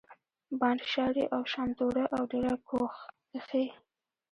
بانډ شاري او شامتوره او ډېره کو کښي